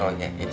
masih pak regar